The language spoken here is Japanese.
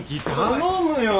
頼むよ。